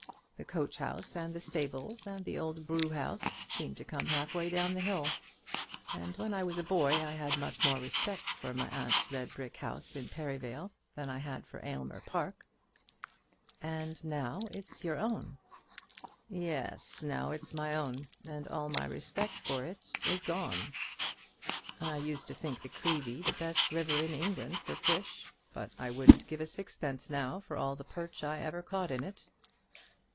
The coach house and the stables, and the old brewhouse, seem to come half way down the hill. And when I was a boy I had much more respect for my aunt's red brick house in Perivale than I had for Aylmer Park." "And now it's your own." "Yes; now it's my own, and all my respect for it is gone. I used to think the Creevy the best river in England for fish; but I wouldn't give a sixpence now for all the perch I ever caught in it."